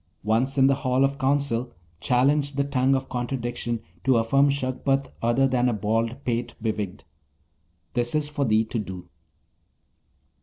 Once in the Hall of Council, challenge the tongue of contradiction to affirm Shagpat other than a bald pate bewigged. This is for thee to do.'